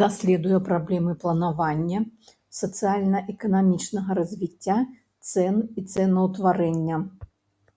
Даследуе праблемы планавання сацыяльна-эканамічнага развіцця, цэн і цэнаўтварэння.